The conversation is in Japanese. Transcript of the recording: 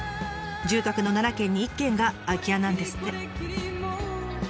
住宅の７軒に１軒が空き家なんですって。